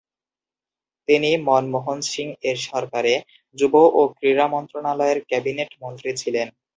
তিনি মনমোহন সিং-এর সরকারে "যুব ও ক্রীড়া মন্ত্রণালয়ের" ক্যাবিনেট মন্ত্রী ছিলেন।